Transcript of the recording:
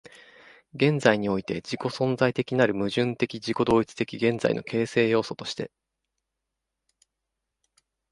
現在において同時存在的なる矛盾的自己同一的現在の形成要素として、